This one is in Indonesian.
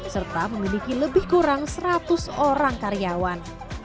serta memiliki lebih kurang seratus orang karyawan